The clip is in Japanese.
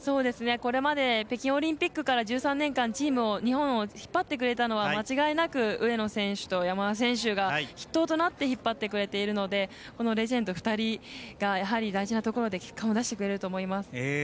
これまで北京オリンピックから１３年間チームを日本を引っ張ってくれたのは間違いなく上野選手と山田選手が筆頭となって引っ張ってくれているのでこのレジェンド２人がやはり大事なところで結果を出してくれると思います。